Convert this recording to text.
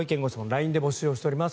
ＬＩＮＥで募集しています。